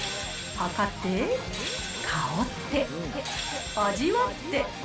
計って、香って、味わって。